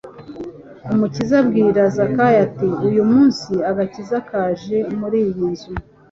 Umukiza abwira Zakayo ati : "Uyu munsi agakiza kaje muri iyi nzu"